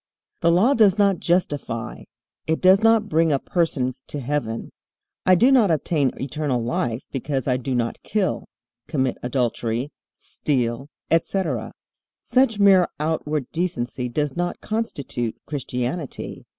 The Law does not justify; it does not bring a person to heaven. I do not obtain eternal life because I do not kill, commit adultery, steal, etc. Such mere outward decency does not constitute Christianity.